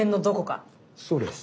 そうです。